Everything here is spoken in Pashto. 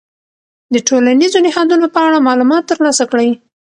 د ټولنیزو نهادونو په اړه معلومات ترلاسه کړئ.